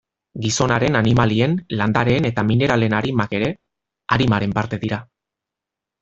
Gizonaren, animalien, landareen eta mineralen arimak ere arimaren parte dira.